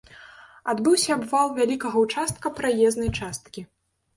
Адбыўся абвал вялікага ўчастка праезнай часткі.